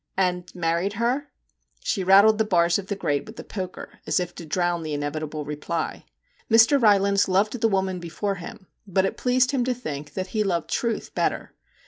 'And married her?' She rattled the bars of the grate with the poker as if to drown the inevitable reply. Mr. Rylands loved the woman before him, but it pleased him to think that he loved truth better.